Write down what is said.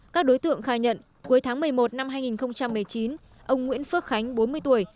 các đối tượng khai nhận cuối tháng một mươi một năm hai nghìn một mươi chín ông nguyễn phước khánh bốn mươi tuổi